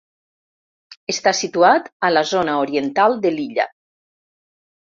Està situat a la zona oriental de l'illa.